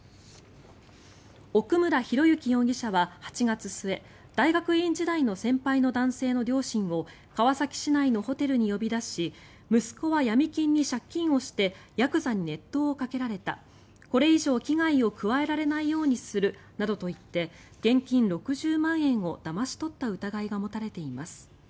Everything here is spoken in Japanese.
奥村啓志容疑者は８月末大学院時代の先輩の男性の両親を川崎市内のホテルに呼び出し息子はヤミ金に借金をしてヤクザに熱湯をかけられたこれ以上、危害を加えられないようにするなどと言って現金６０万円をだまし取った疑いが持たれています。